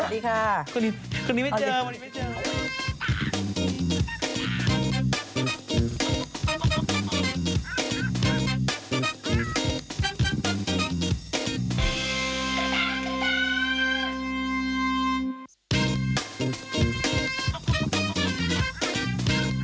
สวัสดีค่ะ